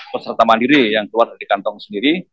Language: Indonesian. peserta mandiri yang keluar dari kantong sendiri